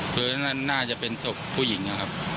คือนั่นน่าจะเป็นศพผู้หญิงนะครับ